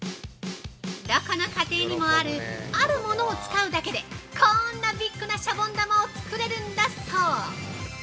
◆どこの家庭にもある「あるもの」を使うだけでこんなビッグなシャボン玉を作れるんだそう！